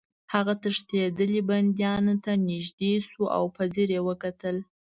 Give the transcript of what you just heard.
هغه تښتېدلي بندیانو ته نږدې شو او په ځیر یې وکتل